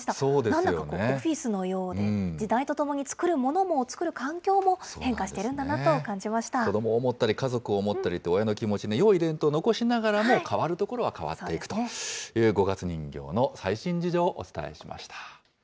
なんだかオフィスのようで、時代とともに、作るものも、作る環境も、変化してるんだなと感じまし子どもを思ったり、家族を思ったりと、親の気持ちのよい伝統を残しながらも、変わるところは変わっていくという、五月人形の最新事情をお伝えしました。